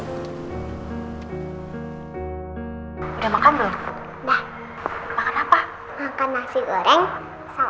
saya udah berhasil rekamin suaranya reina